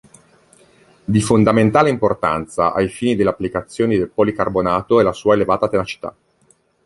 Di fondamentale importanza ai fini delle applicazioni del policarbonato è la sua elevata tenacità.